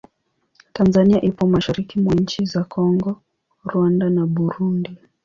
Tanzania ipo mashariki mwa nchi za Kongo, Rwanda na Burundi.